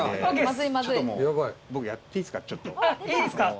いいですか？